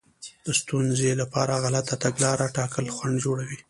د ستونزې لپاره غلطه تګلاره ټاکل خنډ جوړوي.